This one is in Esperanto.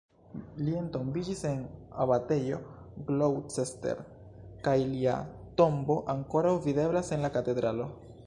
Li entombiĝis en Abatejo Gloucester kaj lia tombo ankoraŭ videblas en la katedralo.